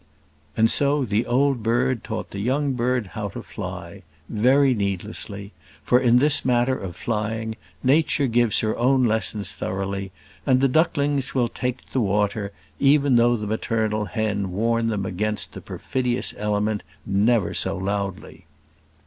And so the old bird taught the young bird how to fly very needlessly for in this matter of flying, Nature gives her own lessons thoroughly; and the ducklings will take the water, even though the maternal hen warn them against the perfidious element never so loudly.